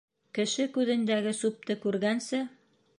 Кеше күҙендәге сүпте күргәнсе